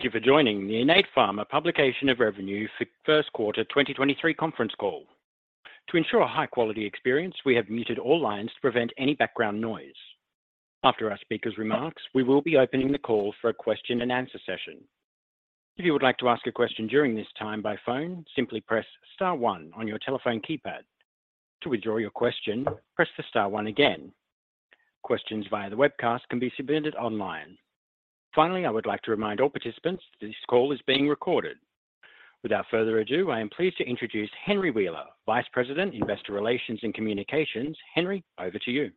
Thank you for joining the Innate Pharma Publication of Revenue for Q1 2023 conference call. To ensure a high quality experience, we have muted all lines to prevent any background noise. After our speakers' remarks, we will be opening the call for a question and answer session. If you would like to ask a question during this time by phone, simply press star one on your telephone keypad. To withdraw your question, press the star one again. Questions via the webcast can be submitted online. I would like to remind all participants this call is being recorded. Without further ado, I am pleased to introduce Henry Wheeler, Vice President, Investor Relations and Communications. Henry, over to you.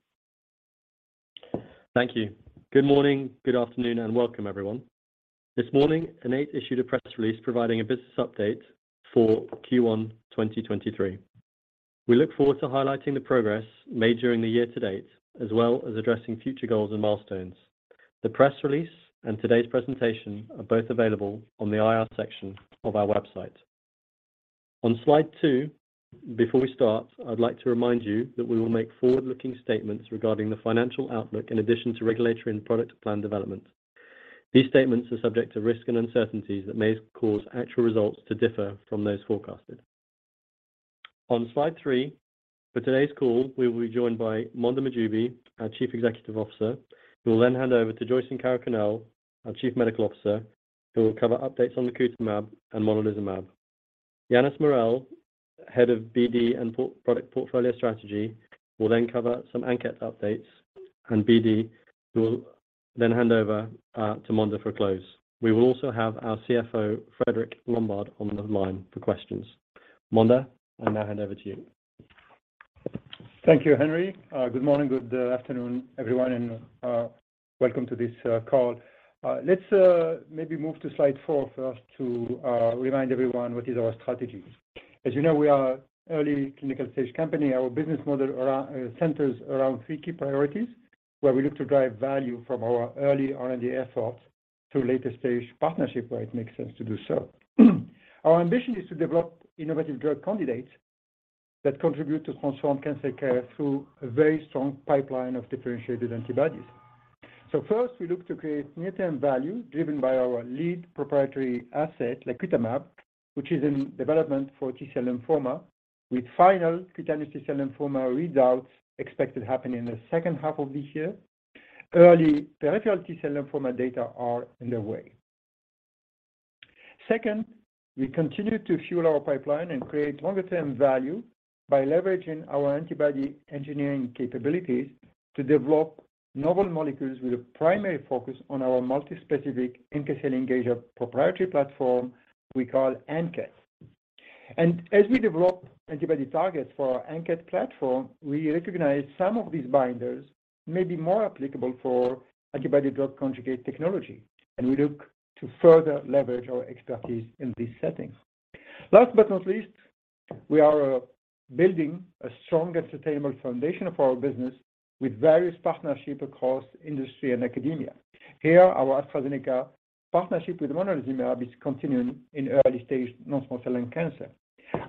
Thank you. Good morning, good afternoon, and welcome everyone. This morning, Innate issued a press release providing a business update for Q1 2023. We look forward to highlighting the progress made during the year to date, as well as addressing future goals and milestones. The press release and today's presentation are both available on the IR section of our website. On slide two, before we start, I'd like to remind you that we will make forward-looking statements regarding the financial outlook in addition to regulatory and product plan development. These statements are subject to risks and uncertainties that may cause actual results to differ from those forecasted. On slide three, for today's call we will be joined by Mondher Mahjoubi, our Chief Executive Officer, who will then hand over to Joyson Karakunnel, our Chief Medical Officer, who will cover updates on lacutamab and monalizumab. Yannis Morel, Head of BD and Product Portfolio Strategy, will then cover some ANKET updates and BD, who will then hand over to Mondher for close. We will also have our CFO, Frederic Lombard, on the line for questions. Mondher, I now hand over to you. Thank you, Henry. Good morning, good afternoon, everyone, welcome to this call. Let's maybe move to slide four first to remind everyone what is our strategies. As you know, we are early clinical stage company. Our business model centers around 3 key priorities, where we look to drive value from our early R&D efforts to later stage partnership where it makes sense to do so. Our ambition is to develop innovative drug candidates that contribute to transform cancer care through a very strong pipeline of differentiated antibodies. First, we look to create near-term value driven by our lead proprietary asset, lacutamab, which is in development for T-cell lymphoma, with final cutaneous T-cell lymphoma results expected to happen in the second half of this year. Early peripheral T-cell lymphoma data are on the way. Second, we continue to fuel our pipeline and create longer term value by leveraging our antibody engineering capabilities to develop novel molecules with a primary focus on our multi-specific NK/T cell engager proprietary platform we call ANKET®. As we develop antibody targets for our ANKET® platform, we recognize some of these binders may be more applicable for antibody drug conjugate technology. We look to further leverage our expertise in these settings. Last but not least, we are building a strong and sustainable foundation for our business with various partnership across industry and academia. Here, our AstraZeneca partnership with monalizumab is continuing in early stage non-small cell lung cancer.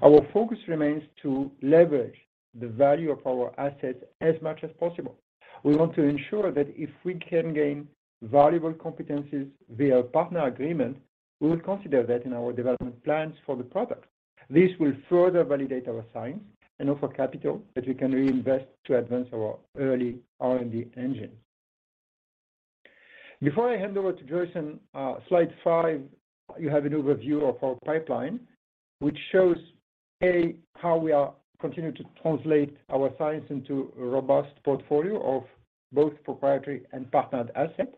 Our focus remains to leverage the value of our assets as much as possible. We want to ensure that if we can gain valuable competencies via partner agreement, we will consider that in our development plans for the product. This will further validate our science and offer capital that we can reinvest to advance our early R&D engine. Before I hand over to Joyson, slide five, you have an overview of our pipeline, which shows, A, how we are continuing to translate our science into a robust portfolio of both proprietary and partnered assets.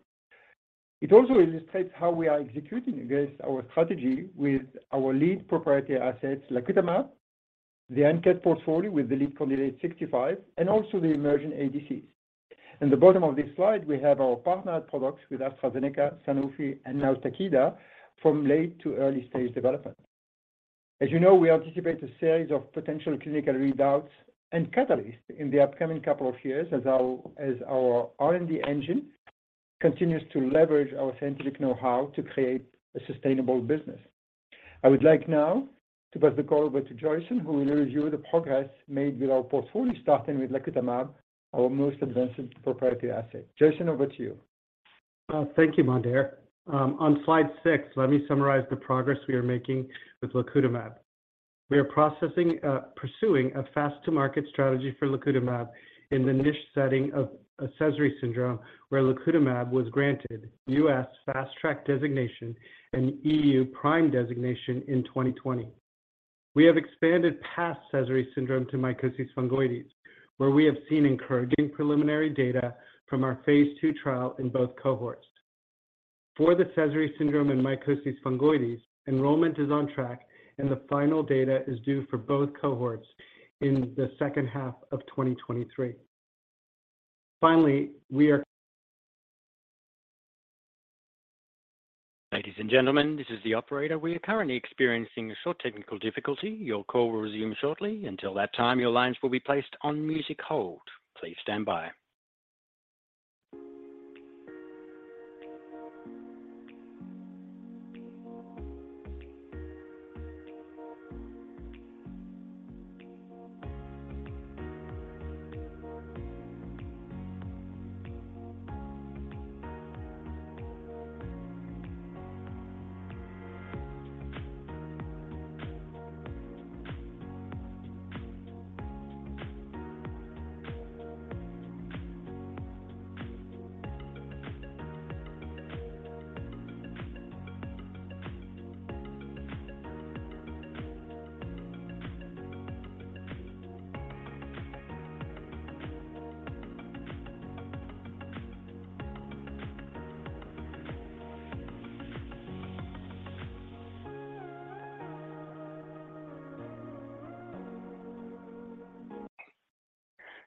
It also illustrates how we are executing against our strategy with our lead proprietary assets, lacutamab, the ANKET portfolio with the lead candidate 65, and also the emerging ADCs. In the bottom of this slide, we have our partnered products with AstraZeneca, Sanofi and now Takeda from late to early stage development. As you know, we anticipate a series of potential clinical readouts and catalysts in the upcoming couple of years as our R&D engine continues to leverage our scientific know-how to create a sustainable business. I would like now to pass the call over to Joyson, who will review the progress made with our portfolio, starting with lacutamab, our most advanced proprietary asset. Joyson, over to you. Thank you, Mondher. On slide six, let me summarize the progress we are making with lacutamab. We are pursuing a fast to market strategy for lacutamab in the niche setting of Sézary syndrome, where lacutamab was granted FDA Fast Track designation and EMA PRIME designation in 2020. We have expanded past Sézary syndrome to mycosis fungoides, where we have seen encouraging preliminary data from our phase II trial in both cohorts. For the Sézary syndrome and mycosis fungoides, enrollment is on track, and the final data is due for both cohorts in the second half of 2023. Finally, Ladies and gentlemen, this is the operator. We are currently experiencing a short technical difficulty. Your call will resume shortly. Until that time, your lines will be placed on music hold. Please stand by.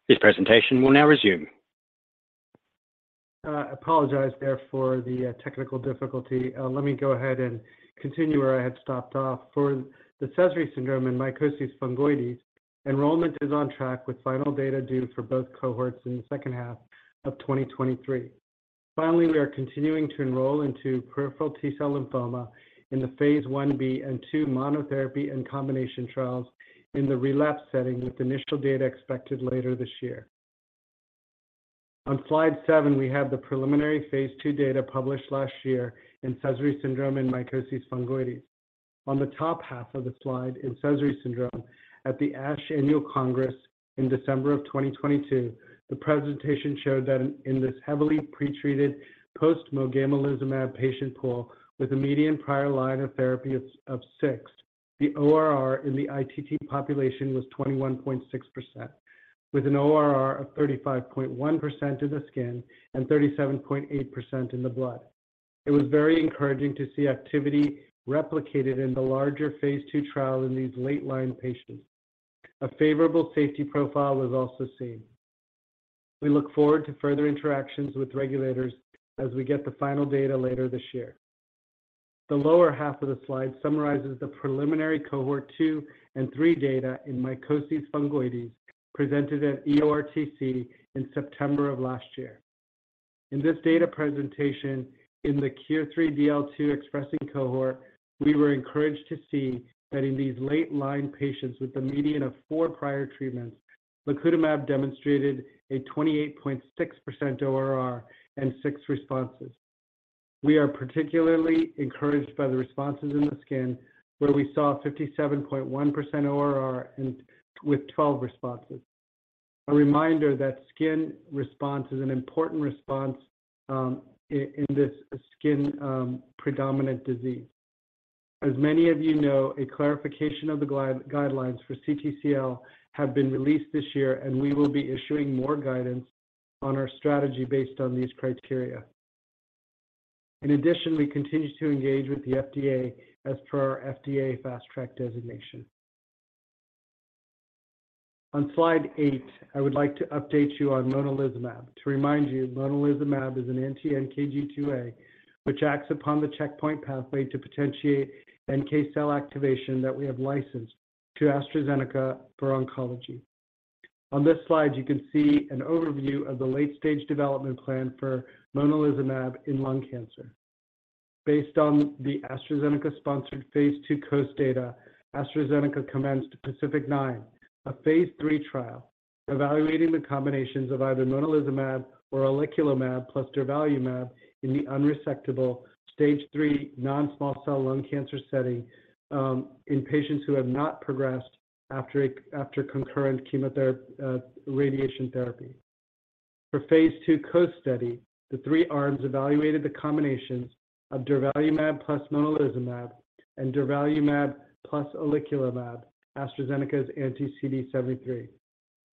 This presentation will now resume. I apologize there for the technical difficulty. Let me go ahead and continue where I had stopped off. For the Sézary syndrome and Mycosis fungoides, enrollment is on track with final data due for both cohorts in the second half of 2023. Finally, we are continuing to enroll into peripheral T-cell lymphoma in the phase I-B and II monotherapy and combination trials in the relapse setting, with initial data expected later this year. On slide seven, we have the preliminary phase II data published last year in Sézary syndrome and Mycosis fungoides. On the top half of the slide in Sézary syndrome at the ASH Annual Meeting in December of 2022, the presentation showed that in this heavily pretreated post-mogamulizumab patient pool with a median prior line of therapy of 6, the ORR in the ITT population was 21.6%, with an ORR of 35.1% in the skin and 37.8% in the blood. It was very encouraging to see activity replicated in the larger phase II trial in these late line patients. A favorable safety profile was also seen. We look forward to further interactions with regulators as we get the final data later this year. The lower half of the slide summarizes the preliminary cohort 2 and 3 data in mycosis fungoides presented at EORTC in September of last year. In this data presentation in the KIR3DL2 expressing cohort, we were encouraged to see that in these late line patients with a median of four prior treatments, lacutamab demonstrated a 28.6% ORR and six responses. We are particularly encouraged by the responses in the skin where we saw 57.1% ORR and with 12 responses. A reminder that skin response is an important response in this skin predominant disease. As many of you know, a clarification of the guidelines for CTCL have been released this year. We will be issuing more guidance on our strategy based on these criteria. In addition, we continue to engage with the FDA as per our FDA Fast Track designation. On slide eight, I would like to update you on monalizumab. To remind you, monalizumab is an anti-NKG2A, which acts upon the checkpoint pathway to potentiate NK cell activation that we have licensed to AstraZeneca for oncology. On this slide, you can see an overview of the late-stage development plan for monalizumab in lung cancer. Based on the AstraZeneca-sponsored Phase II COAST data, AstraZeneca commenced PACIFIC-9, a Phase III trial evaluating the combinations of either monalizumab or oleclumab plus durvalumab in the unresectable Stage 3 non-small cell lung cancer setting, in patients who have not progressed after concurrent radiation therapy. For Phase II COAST study, the three arms evaluated the combinations of durvalumab plus monalizumab and durvalumab plus oleclumab, AstraZeneca's anti-CD73.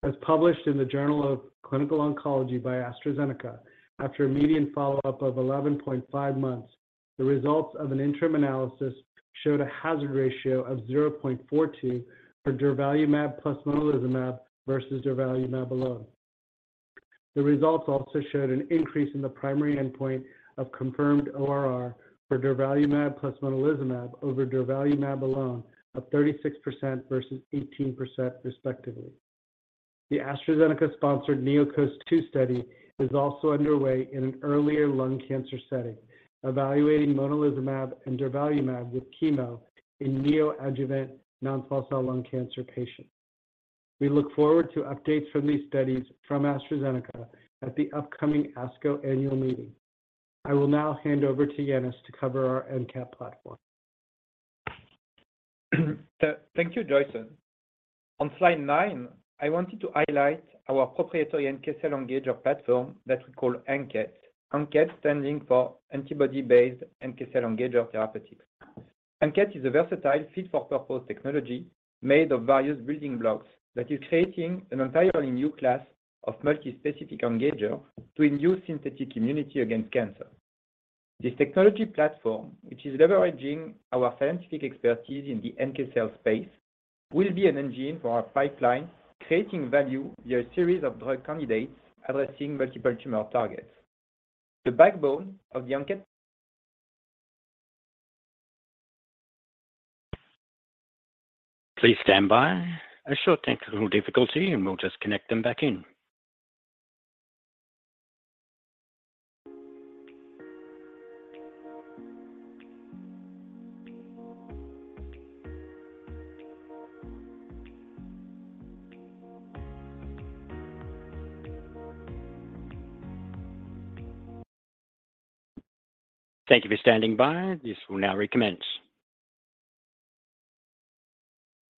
As published in the Journal of Clinical Oncology by AstraZeneca, after a median follow-up of 11.5 months, the results of an interim analysis showed a hazard ratio of 0.42 for durvalumab plus monalizumab versus durvalumab alone. The results also showed an increase in the primary endpoint of confirmed ORR for durvalumab plus monalizumab over durvalumab alone of 36% versus 18% respectively. The AstraZeneca-sponsored NEOCOAST-2 study is also underway in an earlier lung cancer setting, evaluating monalizumab and durvalumab with chemo in neoadjuvant non-small cell lung cancer patients. We look forward to updates from these studies from AstraZeneca at the upcoming ASCO annual meeting. I will now hand over to Yannis to cover our ANKET platform. Thank you, Jayson. On slide nine, I wanted to highlight our proprietary NK cell engager platform that we call ANKET. ANKET standing for Antibody-based NK cell Engager Therapeutics. ANKET is a versatile fit-for-purpose technology made of various building blocks that is creating an entirely new class of multispecific engager to induce synthetic immunity against cancer. This technology platform, which is leveraging our scientific expertise in the NK cell space, will be an engine for our pipeline, creating value via a series of drug candidates addressing multiple tumor targets. The backbone of the ANKET- Please stand by. A short technical difficulty and we'll just connect them back in. Thank you for standing by. This will now commence.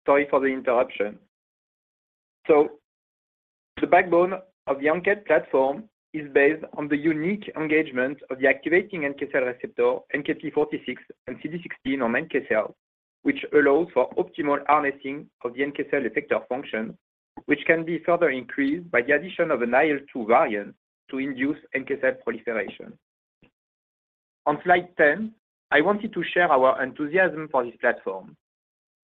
Sorry for the interruption. The backbone of the ANKET® platform is based on the unique engagement of the activating NK cell receptor, NKp46 and CD16 on NK cells, which allows for optimal harnessing of the NK cell effector function, which can be further increased by the addition of an IL-2 variant to induce NK cell proliferation. On slide 10, I wanted to share our enthusiasm for this platform.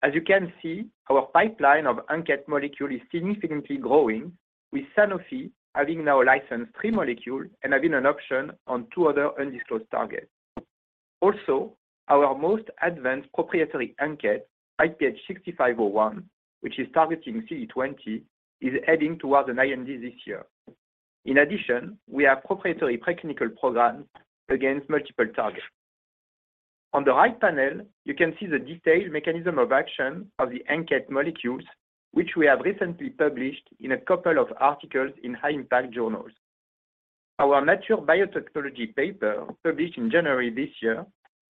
As you can see, our pipeline of ANKET® molecule is significantly growing, with Sanofi having now licensed 3 molecules and having an option on 2 other undisclosed targets. Our most advanced proprietary ANKET®, IPH6501, which is targeting CD20, is heading towards an IND this year. We have proprietary preclinical programs against multiple targets. On the right panel, you can see the detailed mechanism of action of the ANKET molecules, which we have recently published in a couple of articles in high impact journals. Our Nature Biotechnology paper, published in January this year,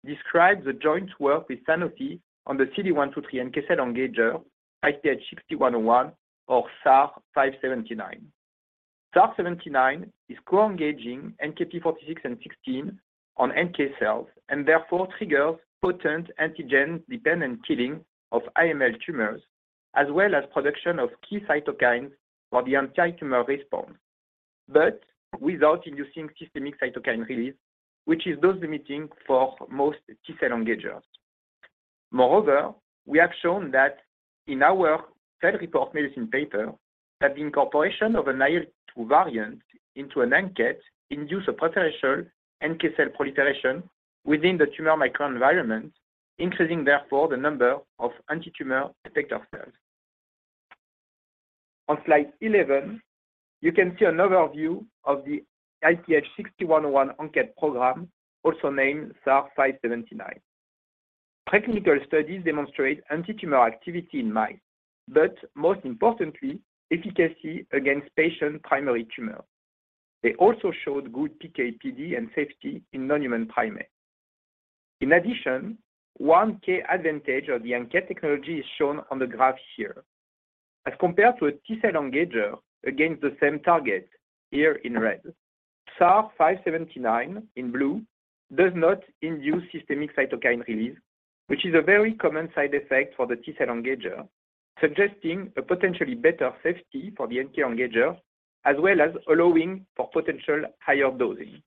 describes a joint work with Sanofi on the CD123 NK cell engager, IPH6101 or SAR 443579. SAR'579 is co-engaging NKp46 and 16 on NK cells and therefore triggers potent antigen-dependent killing of AML tumors as well as production of key cytokines for the antitumor response. Without inducing systemic cytokine release, which is dose limiting for most T cell engagers. We have shown that in our Cell Reports Medicine paper that the incorporation of an IL-2 variant into an ANKET induce a potential NK cell proliferation within the tumor microenvironment, increasing therefore the number of antitumor effector cells. On slide 11, you can see an overview of the IPH6101 ANKET program, also named SAR'579. Preclinical studies demonstrate antitumor activity in mice, but most importantly, efficacy against patient primary tumors. They also showed good PK/PD and safety in non-human primates. In addition, one key advantage of the ANKET technology is shown on the graph here. As compared to a T cell engager against the same target here in red, SAR'579 in blue does not induce systemic cytokine release, which is a very common side effect for the T cell engager, suggesting a potentially better safety for the NK engager as well as allowing for potential higher dosing.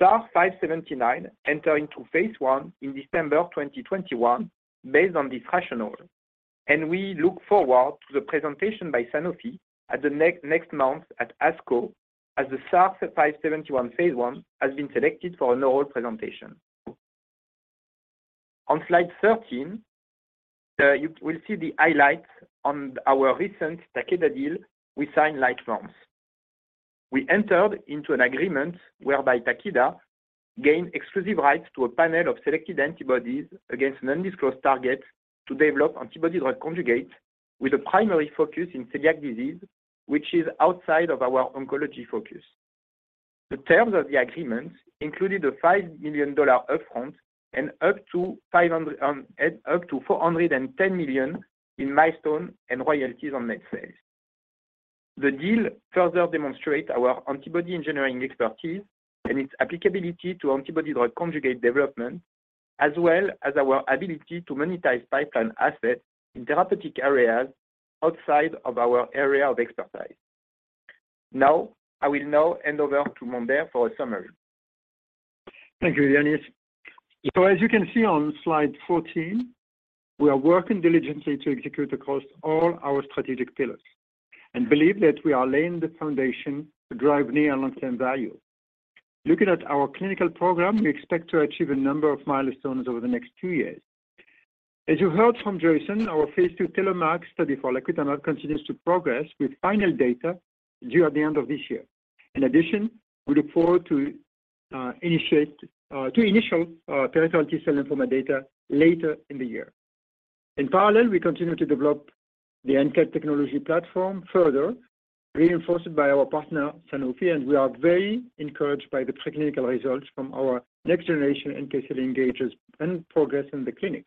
SAR'579 enter into phase I in December 2021 based on this rationale. We look forward to the presentation by Sanofi at the next month at ASCO as the SAR'579 phase I has been selected for an oral presentation. On slide 13, you will see the highlights on our recent Takeda deal we signed late last. We entered into an agreement whereby Takeda gained exclusive rights to a panel of selected antibodies against an undisclosed target to develop antibody drug conjugates with a primary focus in celiac disease, which is outside of our oncology focus. The terms of the agreement included a $5 million upfront and up to $500 million and up to $410 million in milestone and royalties on net sales. The deal further demonstrates our antibody engineering expertise and its applicability to antibody drug conjugate development, as well as our ability to monetize pipeline assets in therapeutic areas outside of our area of expertise. Now, I will now hand over to Mondher for a summary. Thank you, Yannis. As you can see on slide 14, we are working diligently to execute across all our strategic pillars and believe that we are laying the foundation to drive near and long-term value. Looking at our clinical program, we expect to achieve a number of milestones over the next two years. As you heard from Jayson, our phase II TELLOMAK study for lacutamab continues to progress with final data due at the end of this year. In addition, we look forward to initial peripheral T-cell lymphoma data later in the year. In parallel, we continue to develop the NK cell engager technology platform further, reinforced by our partner Sanofi, and we are very encouraged by the preclinical results from our next generation NK cell engagers and progress in the clinic.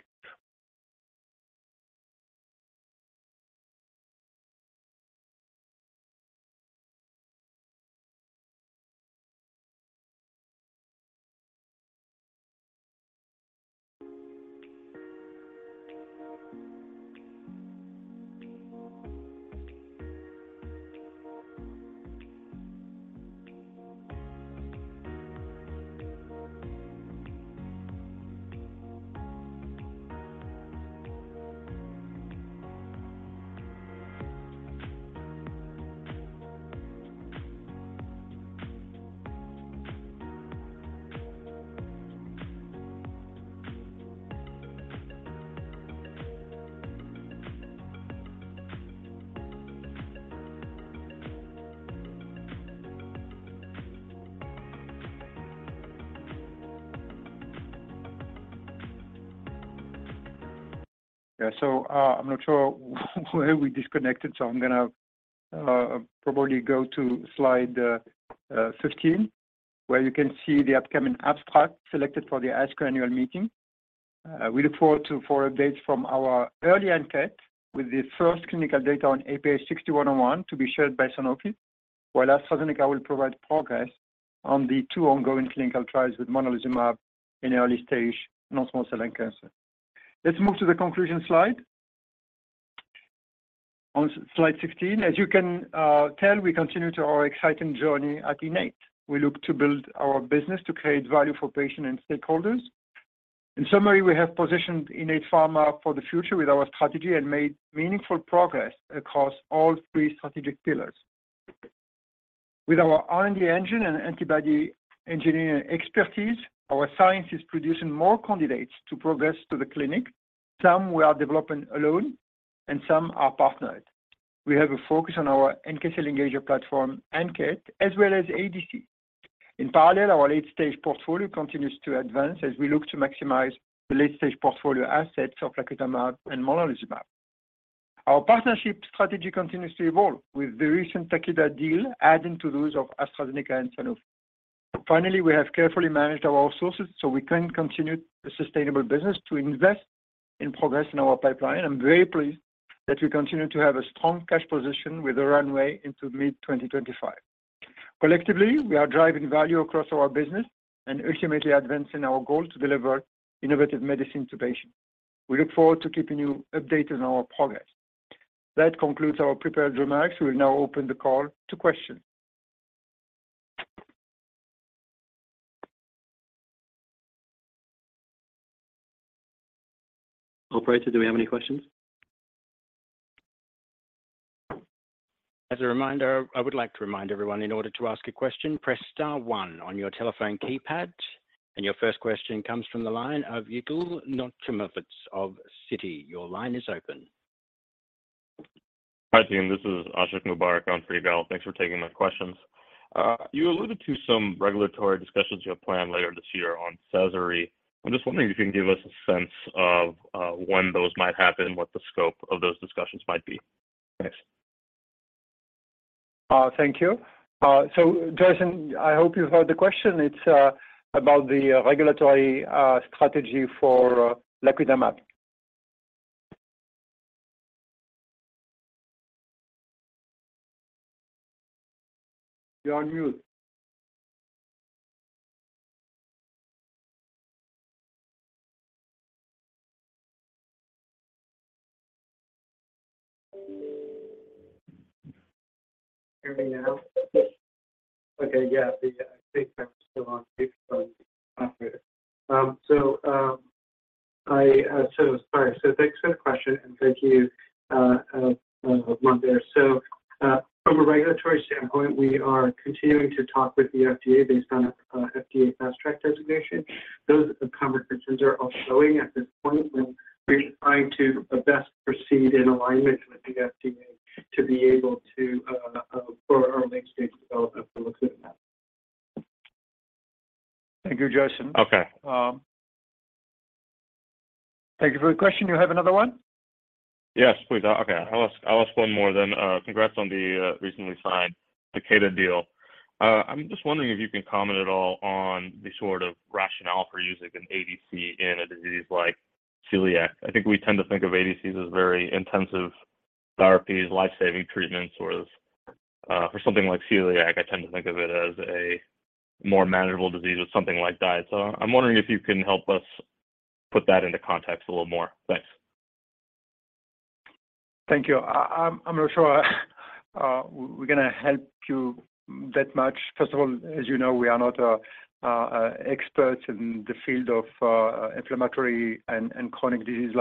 Yeah. I'm not sure where we disconnected, so I'm gonna probably go to slide 15, where you can see the upcoming abstract selected for the ASCO Annual Meeting. We look forward to 4 updates from our early ANKET with the first clinical data on IPH6101 to be shared by Sanofi. While AstraZeneca will provide progress on the 2 ongoing clinical trials with monalizumab in early stage non-small cell lung cancer. Let's move to the conclusion slide. On slide 16, as you can tell, we continue to our exciting journey at Innate. We look to build our business to create value for patients and stakeholders. In summary, we have positioned Innate Pharma for the future with our strategy and made meaningful progress across all three strategic pillars. With our R&D engine and antibody engineering expertise, our science is producing more candidates to progress to the clinic. Some we are developing alone, and some are partnered. We have a focus on our NK engager platform, ANKET, as well as ADC. In parallel, our late-stage portfolio continues to advance as we look to maximize the late-stage portfolio assets of lacutamab and monalizumab. Our partnership strategy continues to evolve, with the recent Takeda deal adding to those of AstraZeneca and Sanofi. Finally, we have carefully managed our resources so we can continue a sustainable business to invest and progress in our pipeline. I'm very pleased that we continue to have a strong cash position with a runway into mid-2025. Collectively, we are driving value across our business and ultimately advancing our goal to deliver innovative medicine to patients. We look forward to keeping you updated on our progress. That concludes our prepared remarks. We'll now open the call to questions. Operator, do we have any questions? As a reminder, I would like to remind everyone in order to ask a question, press star one on your telephone keypad. Your first question comes from the line of Yigal Nochomovitz of Citi. Your line is open. Hi, team. This is Ashok Kumar on for Yigal. Thanks for taking my questions. You alluded to some regulatory discussions you have planned later this year on Sézary syndrome. I'm just wondering if you can give us a sense of when those might happen and what the scope of those discussions might be. Thanks. Thank you. Jason, I hope you heard the question. It's about the regulatory strategy for lacutamab. You're on mute. Yes. Okay. Yeah. I think I'm still on mute. Sorry. Thanks for the question, and thank you, [kumar]. From a regulatory standpoint, we are continuing to talk with the FDA based on FDA Fast Track designation. Those conversations are ongoing at this point, and we're trying to best proceed in alignment with the FDA to be able to, for our late-stage development for lacutamab. Thank you, Jason. Okay. Thank you for the question. Do you have another one? Yes, please. Okay. I'll ask one more then. Congrats on the recently signed Takeda deal. I'm just wondering if you can comment at all on the sort of rationale for using an ADC in a disease like celiac. I think we tend to think of ADCs as very intensive therapies, life-saving treatments. Whereas, for something like celiac, I tend to think of it as a more manageable disease with something like diet. I'm wondering if you can help us put that into context a little more. Thanks. Thank you. I'm not sure we're gonna help you that much. First of all, as you know, we are not experts in the field of inflammatory and chronic disease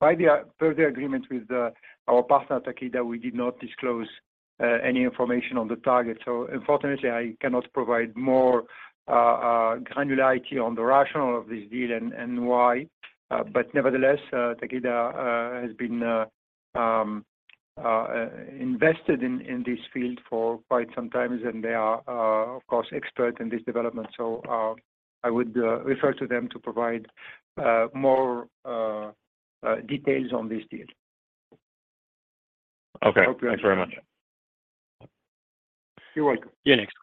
like celiac disease. Per the agreement with our partner, Takeda, we did not disclose any information on the target. Unfortunately, I cannot provide more granularity on the rationale of this deal and why. Nevertheless, Takeda has been invested in this field for quite some time, and they are of course expert in this development. I would refer to them to provide more details on this deal. Okay. Hope you understand. Thanks very much. You're welcome. Your next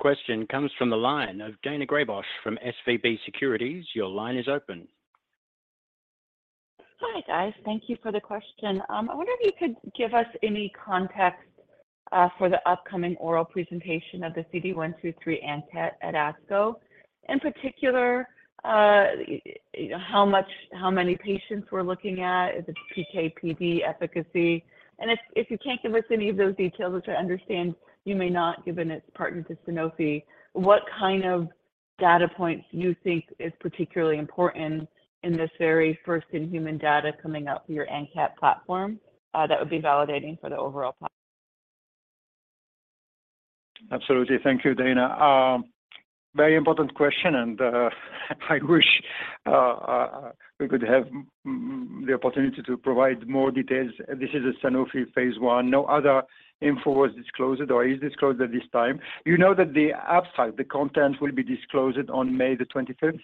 question comes from the line of Daina Graybosch from SVB Securities. Your line is open. Hi, guys. Thank you for the question. I wonder if you could give us any context for the upcoming oral presentation of the CD123 ANKET at ASCO. In particular, you know, how many patients we're looking at? Is it PK/PD efficacy? If you can't give us any of those details, which I understand you may not, given it's partnered to Sanofi, what kind of data points you think is particularly important in this very first in-human data coming out for your ANKET platform, that would be validating for the overall platform? Absolutely. Thank you, Dana. Very important question. I wish we could have the opportunity to provide more details. This is a Sanofi phase I. No other info was disclosed or is disclosed at this time. You know that the abstract, the content will be disclosed on May the 25th.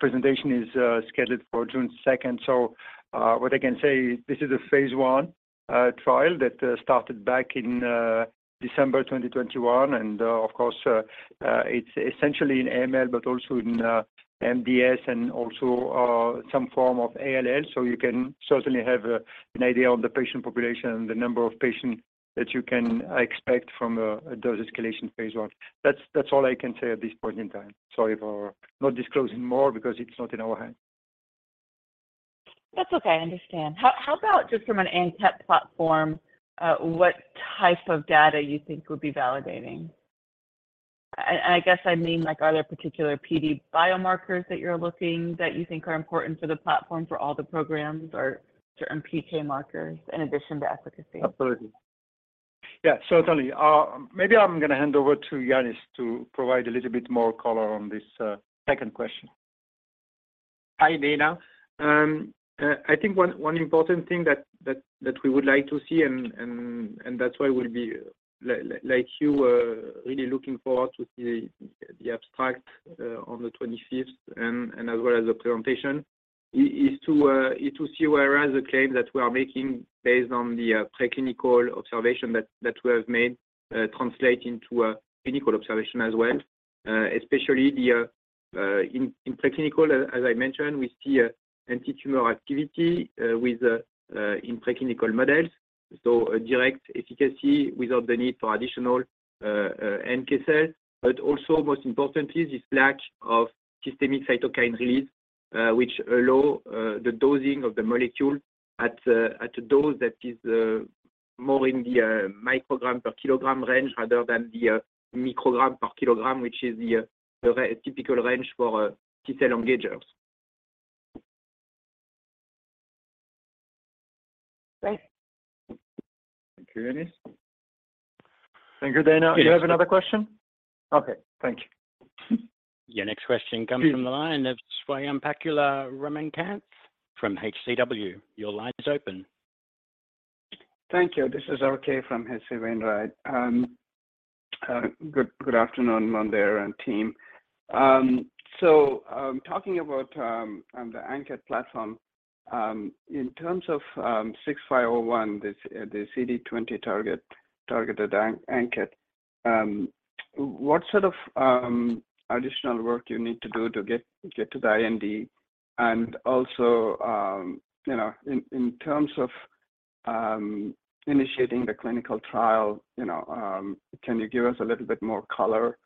Presentation is scheduled for June 2nd. What I can say is this is a phase I trial that started back in December 2021. Of course, it's essentially in AML, but also in MDS and also some form of ALL. You can certainly have an idea of the patient population and the number of patients that you can expect from a dose escalation phase I. That's, that's all I can say at this point in time. Sorry for not disclosing more because it's not in our hands. That's okay. I understand. How about just from an ANKET platform, what type of data you think would be validating? I guess I mean, like, are there particular PD biomarkers that you think are important for the platform for all the programs or certain PK markers in addition to efficacy? Absolutely. Yeah, certainly. Maybe I'm gonna hand over to Yannis to provide a little bit more color on this second question. Hi, Dana. I think one important thing that we would like to see and that's why we'll be like you, really looking forward to see the abstract on the 25th and as well as the presentation is to see whether the claim that we are making based on the preclinical observation that we have made, translate into a clinical observation as well. Especially in preclinical, as I mentioned, we see a antitumor activity with in preclinical models. A direct efficacy without the need for additional NK cells. Also most importantly is this lack of systemic cytokine release, which allow the dosing of the molecule at a, at a dose that is more in the microgram per kilogram range rather than the microgram per kilogram, which is the typical range for T-cell engagers. Great. Thank you, Yannis. Thank you, Dana. Do you have another question? Okay. Thank you. Your next question comes from the line of Swayampakula Ramakanth from H.C. Wainwright. Your line is open. Thank you. This is RK from H.C. Wainwright & Co. Good afternoon, Mondher and team. Talking about the ANKET platform, in terms of IPH6501, the CD20 target, targeted ANKET, what sort of additional work you need to do to get to the IND? Also, you know, in terms of initiating the clinical trial, you know, can you give us a little bit more color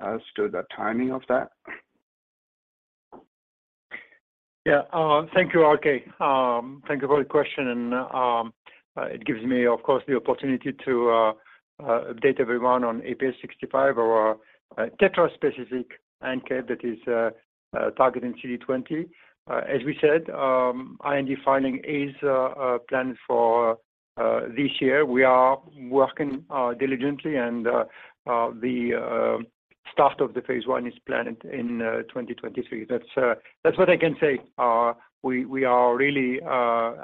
as to the timing of that? Yeah. Thank you, RK. Thank you for the question. It gives me, of course, the opportunity to update everyone on IPH6501 or tetra-specific ANKET that is targeting CD20. As we said, IND filing is planned for this year. We are working diligently and the start of the phase I is planned in 2023. That's what I can say. We are really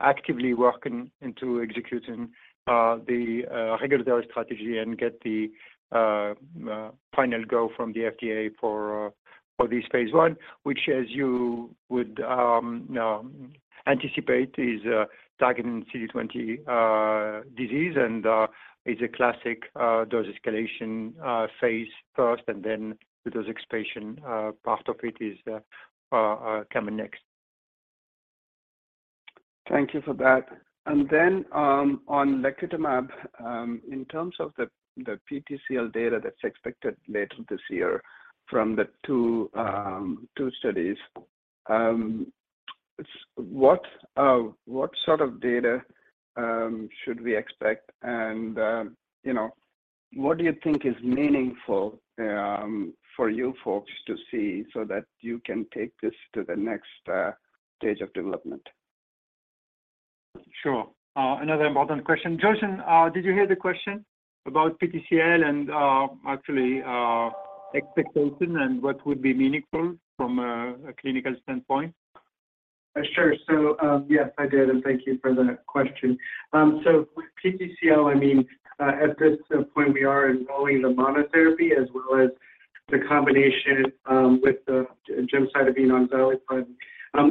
actively working into executing the regulatory strategy and get the final go from the FDA for this phase I, which as you would anticipate is targeting CD20 disease and is a classic dose escalation phase first, and then the dose expansion part of it is coming next. Thank you for that. On lacutamab, in terms of the PTCL data that's expected later this year from the two studies, what sort of data should we expect? You know, what do you think is meaningful for you folks to see so that you can take this to the next stage of development? Sure. another important question. Joyson, did you hear the question about PTCL and, actually, expectation and what would be meaningful from a clinical standpoint? Sure. Yes, I did, and thank you for that question. With PTCL, I mean, at this point we are enrolling the monotherapy as well as the combination with the gemcitabine and valproic acid.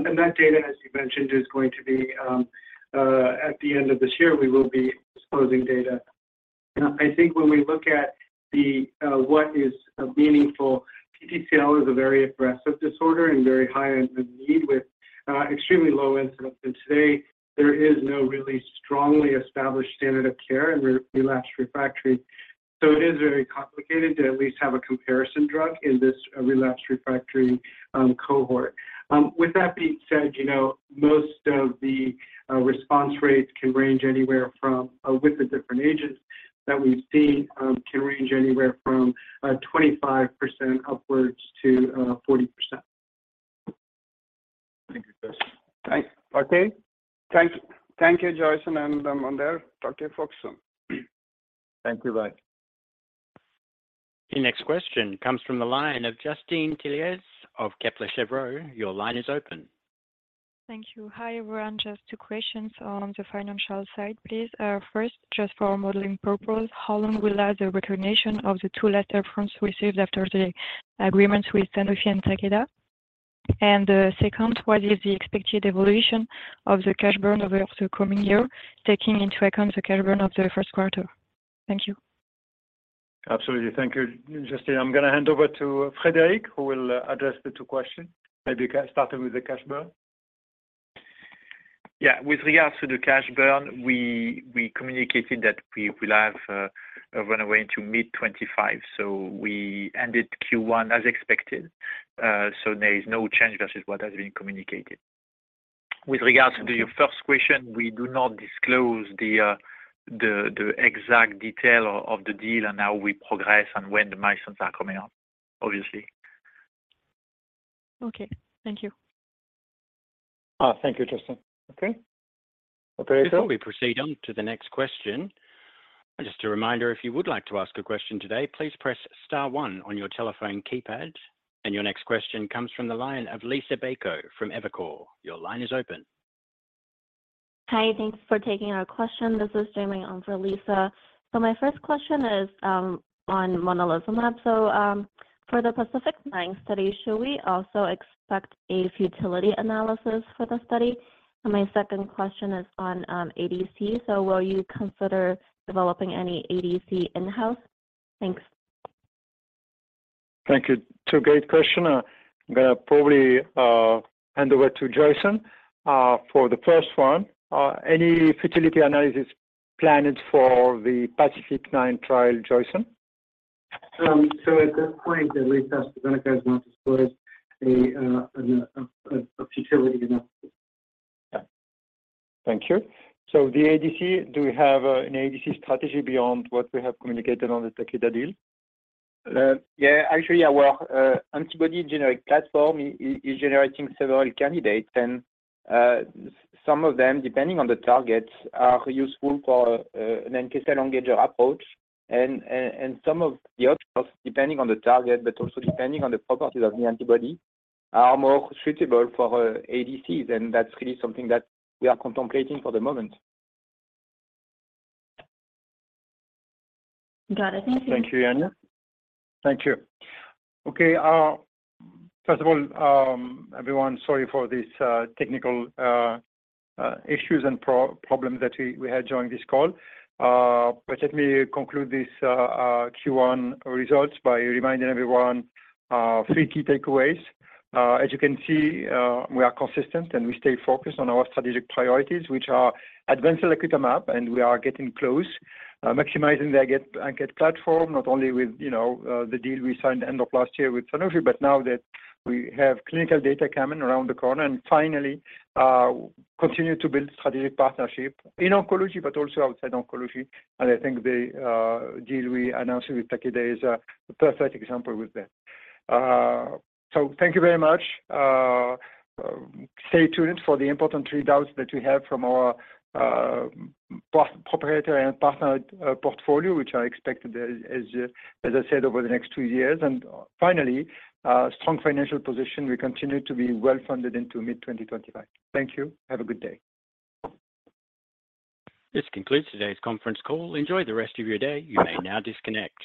And that data, as you mentioned, is going to be at the end of this year, we will be disclosing data. I think when we look at what is meaningful, PTCL is a very aggressive disorder and very high unmet need with extremely low incidence. And today there is no really strongly established standard of care in relapsed refractory. It is very complicated to at least have a comparison drug in this relapsed refractory cohort. With that being said, you know, most of the response rates can range anywhere from, with the different agents that we've seen, can range anywhere from, 25% upwards to, 40%. Thank you. Yes. Thank-- RK. Thank you. Thank you, Joyson and Mondher. Talk to you folks soon. Thank you. Bye. The next question comes from the line of Justine Telliez of Kepler Cheuvreux. Your line is open. Thank you. Hi, everyone. Just two questions on the financial side, please. First, just for modeling purpose, how long will last the recognition of the two last up fronts received after the agreements with Sanofi and Takeda? Second, what is the expected evolution of the cash burn over the coming year, taking into account the cash burn of the Q1? Thank you. Absolutely. Thank you, Justine. I'm gonna hand over to Frederic, who will address the two questions. Maybe start with the cash burn. Yeah. With regards to the cash burn, we communicated that we will have a run away into mid 2025. We ended Q1 as expected. There is no change versus what has been communicated. With regards to your first question, we do not disclose the exact detail of the deal and how we progress and when the milestones are coming up, obviously. Okay. Thank you. thank you, Justine. Okay. Operator. Before we proceed on to the next question, just a reminder, if you would like to ask a question today, please press star one on your telephone keypad. Your next question comes from the line of Liisa Bayko from Evercore. Your line is open. Hi. Thanks for taking our question. This is Jayme on for Liisa. My first question is on monalizumab. For the PACIFIC-9 study, should we also expect a futility analysis for the study? My second question is on ADC. Will you consider developing any ADC in-house? Thanks. Thank you. Two great question. I'm gonna probably hand over to Jason. For the first one, any futility analysis planned for the PACIFIC-9 trial, Jason? At this point, at least as the benefit is not disclosed a futility analysis. Thank you. The ADC, do we have an ADC strategy beyond what we have communicated on the Takeda deal? Yeah, actually, our antibody generic platform is generating several candidates and some of them, depending on the targets, are useful for an NK cell engager approach. Some of the others, depending on the target, but also depending on the properties of the antibody, are more suitable for ADCs. That's really something that we are contemplating for the moment. Got it. Thank you. Thank you. Thank you. Okay, first of all, everyone, sorry for this technical issues and problems that we had during this call. Let me conclude this Q1 results by reminding everyone three key takeaways. As you can see, we are consistent, and we stay focused on our strategic priorities, which are advanced lacutamab, and we are getting close. Maximizing the ANKET platform, not only with, you know, the deal we signed end of last year with Sanofi, but now that we have clinical data coming around the corner. Finally, continue to build strategic partnership in oncology, but also outside oncology. I think the deal we announced with Takeda is a, the perfect example with that. Thank you very much. Stay tuned for the important readouts that we have from our proprietary and partnered portfolio, which I expect as I said, over the next two years. Finally, strong financial position. We continue to be well-funded into mid 2025. Thank you. Have a good day. This concludes today's conference call. Enjoy the rest of your day. You may now disconnect.